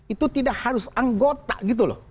itu tidak harus anggota gitu loh